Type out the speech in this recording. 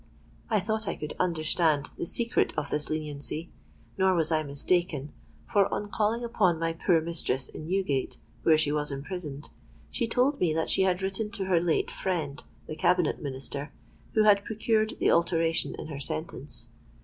I thought I could understand the secret of this leniency; nor was I mistaken; for, on calling upon my poor mistress in Newgate, where she was imprisoned, she told me that she had written to her late 'friend,' the Cabinet Minister, who had procured the alteration in her sentence.